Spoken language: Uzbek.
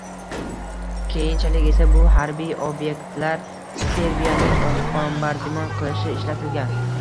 Keyinchalik esa bu harbiy ob’ektlar Serbiyani bombardimon qilishda ishlatilgan